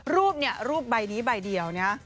รูปนี้รูปใบนี้ใบเดียวนะครับ